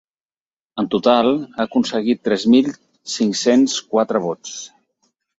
En total, ha aconseguit tres mil cinc-cents quatre vots.